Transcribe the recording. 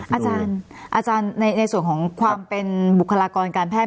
อาจารย์อาจารย์ในในส่วนของความเป็นบุคลากรการแพทย์